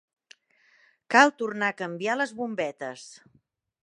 Cal tornar a canviar les bombetes.